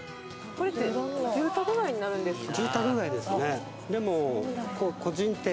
これって住宅街になるんですか？